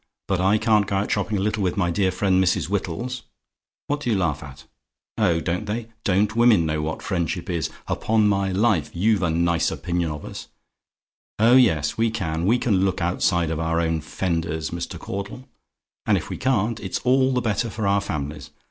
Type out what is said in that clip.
But I can't go out shopping a little with my dear friend Mrs. Wittles what do you laugh at? Oh, don't they? Don't women know what friendship is? Upon my life, you've a nice opinion of us! Oh yes, we can we can look outside of our own fenders, Mr. Caudle. And if we can't, it's all the better for our families.